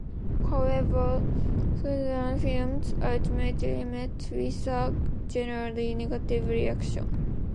However, Schrader's film ultimately met with a generally negative reaction.